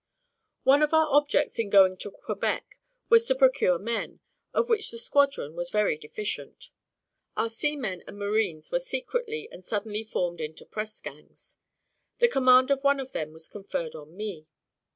One of our objects in going to Quebec was to procure men, of which the squadron was very deficient. Our seamen and marines were secretly and suddenly formed into press gangs. The command of one of them was conferred on me.